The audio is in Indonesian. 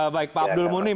baik pak abdul munim